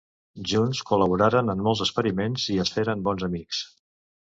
Junts col·laboraren en molts experiments i es feren bons amics.